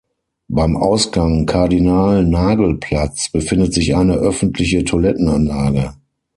Beim Ausgang Kardinal-Nagl-Platz befindet sich eine öffentliche Toilettenanlage.